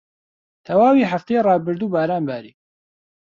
تەواوی هەفتەی ڕابردوو باران باری.